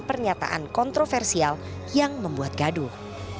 pernyataan kontroversial yang membuat gaduh